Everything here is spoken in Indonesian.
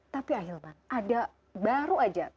tapi ahilman ada baru aja